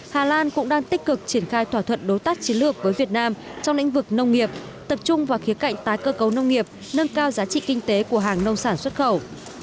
hà lan cũng đang tích cực triển khai thỏa thuận đối tác chiến lược với việt nam trong lĩnh vực nông nghiệp tập trung vào khía cạnh tái cơ cấu nông nghiệp nâng cao giá trị kinh tế của hàng nông sản xuất khẩu